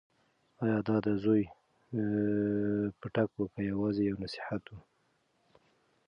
ایا دا د زوی پټکه وه که یوازې یو نصیحت و؟